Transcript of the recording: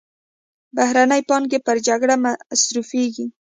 بهرنۍ پانګې پر جګړه مصرفېږي.